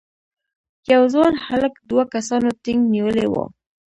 یو ځوان هلک دوه کسانو ټینک نیولی و.